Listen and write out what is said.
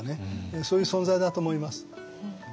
そういう存在だと思います。